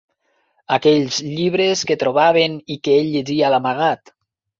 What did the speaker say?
Aquells llibres que trobaven i que ell llegia d'amagat